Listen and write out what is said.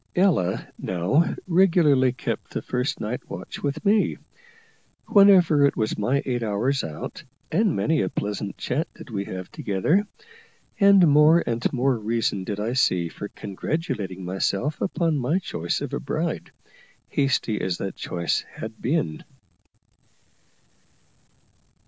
Ella now regularly kept the first night watch with me, whenever it was my eight hours out, and many a pleasant chat did we have together; and more and more reason did I see for congratulating myself upon my choice of a bride, hasty as that choice had been.